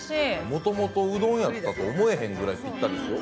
もともと、うどんやったと思われへんぐらいぴったりですよ。